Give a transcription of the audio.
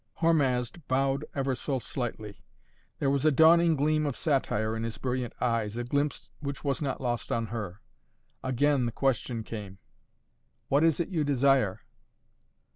Hormazd bowed ever so slightly. There was a dawning gleam of satire in his brilliant eyes, a glimpse which was not lost on her. Again the question came. "What is it you desire?"